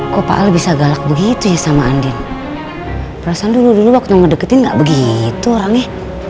kok pak al bisa galak begitu ya sama andin perasaan dulu dulu waktu ngedekin nggak begitu orangnya